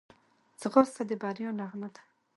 ځغاسته د بریا نغمه ده